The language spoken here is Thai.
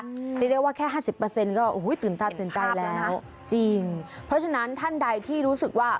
เรียกได้ว่าแค่ห้าสิบเปอร์เซ็นต์ก็ตื่นตาตื่นใจแล้วจริงเพราะฉะนั้นท่านใดที่รู้สึกว่า